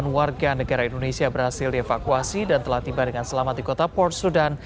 lima ratus tiga puluh delapan warga negara indonesia berhasil dievakuasi dan telah tiba dengan selamat di kota port sudan